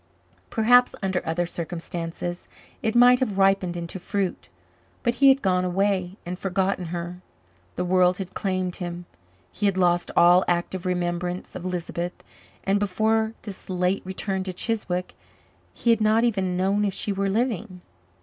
Perhaps, under other circumstances, it might have ripened into fruit, but he had gone away and forgotten her; the world had claimed him; he had lost all active remembrance of Lisbeth and, before this late return to Chiswick, he had not even known if she were living.